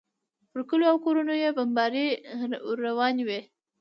پر کلیو او کورونو یې بمبارۍ روانې وې.